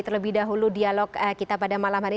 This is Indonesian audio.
terlebih dahulu dialog kita pada malam hari ini